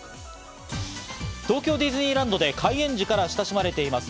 東京ディズニーランドで開園時から親しまれています